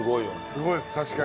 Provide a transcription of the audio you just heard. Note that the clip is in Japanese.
すごいです確かに。